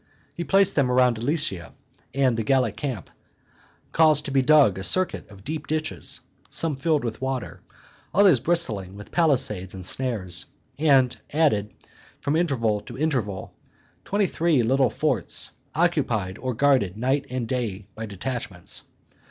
He placed them round about Alesia and the Gallic camp, caused to be dug a circuit of deep ditches, some filled with water, others bristling with palisades and snares, and added, from interval to interval, twenty three little forts, occupied or guarded night and day by detachments.